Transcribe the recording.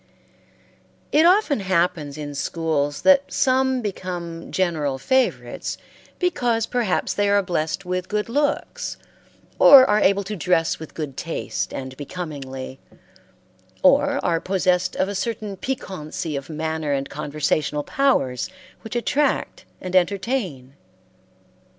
It often happens in schools that some become general favorites because perhaps they are blessed with good looks, or are able to dress with good taste and becomingly, or are possessed of a certain piquancy of manner and conversational powers which attract and entertain.